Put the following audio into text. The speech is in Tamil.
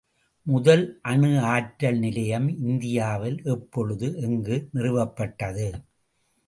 முதல் அணு ஆற்றல் நிலையம் இந்தியாவில் எப்பொழுது எங்கு நிறுவப்பட்டது?